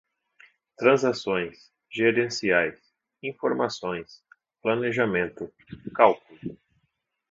transações, gerenciais, informações, planejamento, cálculo